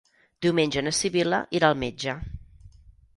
Diumenge na Sibil·la irà al metge.